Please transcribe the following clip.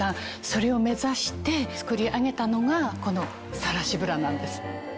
それを目指して作り上げたのがこのさらしブラなんです。